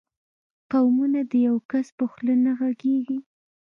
قومونه د یو کس په خوله نه غږېږي.